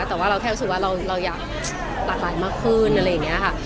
แต่ว่าเราแค่รู้สึกว่าเราอยากหลากหลายมากขึ้นอะไรอย่างนี้ค่ะ